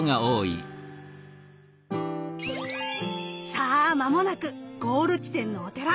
さあまもなくゴール地点のお寺。